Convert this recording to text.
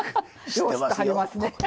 よう知ってはりますね。